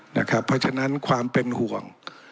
เพราะฉะนั้นความเป็นห่วง